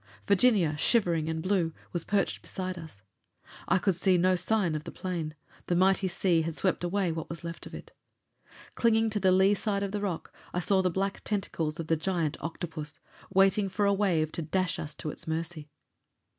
Virginia, shivering and blue, was perched beside us. I could see no sign of the plane: the mighty sea had swept away what was left of it. Clinging to the lee side of the rock I saw the black tentacles of the giant octopus waiting for a wave to dash us to its mercy.